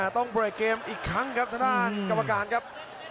ต้องเปิดเกมอีกครั้งครับสถานกรรมการครับ